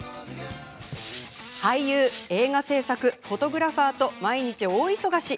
俳優、映画製作フォトグラファーと毎日大忙し。